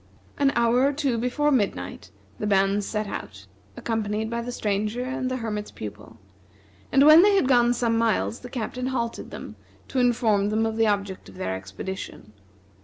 An hour or two before midnight the band set out, accompanied by the Stranger and the Hermit's Pupil; and when they had gone some miles the Captain halted them to inform them of the object of the expedition.